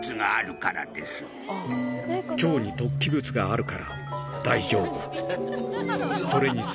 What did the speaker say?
腸に突起物があるからです。